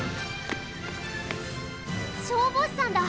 消防士さんだ！